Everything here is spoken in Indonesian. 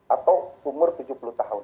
atau umur tujuh puluh tahun